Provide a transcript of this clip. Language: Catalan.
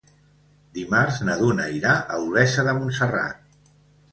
Dimarts na Duna irà a Olesa de Montserrat.